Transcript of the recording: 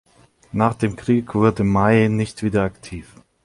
Nach dem Krieg wurde Maes nicht wieder aktiv.